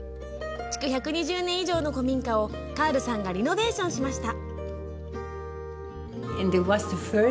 築１２０年以上の古民家をカールさんがリノベーションしました。